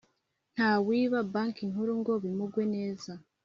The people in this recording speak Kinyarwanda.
Ntawiba banki nkuru ngo bimugwe neza